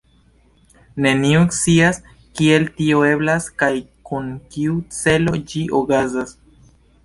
Neniu scias, kiel tio eblas kaj kun kiu celo ĝi okazas.